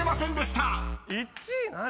１位何？